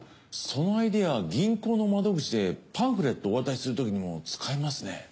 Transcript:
そのアイデア銀行の窓口でパンフレットをお渡しするときにも使えますね。